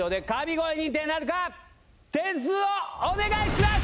点数をお願いします！